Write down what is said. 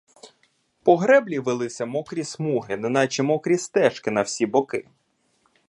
По греблі вилися мокрі смуги, неначе мокрі стежки на всі боки.